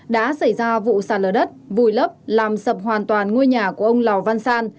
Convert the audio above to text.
đã xảy ra vụ sạt lở đất vùi lấp làm sập hoàn toàn ngôi nhà của ông lò văn san